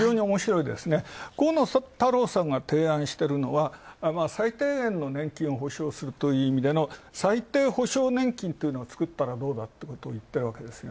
河野太郎さんが提案してるのは最低限の年金を保障するという意味での最低保障年金というのを作ったらどうだといってるわけです。